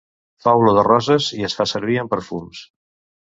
Fa olor de roses i es fa servir en perfums.